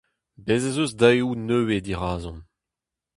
Bez' ez eus daeoù nevez dirazomp.